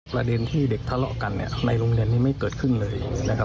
ประเด็นที่เด็กทะเลาะกันเนี่ยในโรงเรียนนี้ไม่เกิดขึ้นเลยนะครับ